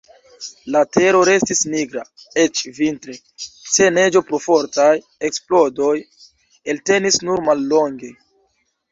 La tero restis nigra, eĉ vintre, se neĝo pro fortaj eksplodoj eltenis nur mallonge.